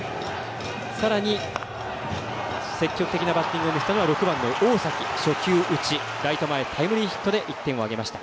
さらに積極的なバッティングを見せたのが６番の大崎、初球打ちライト前タイムリーヒットで１点を挙げました。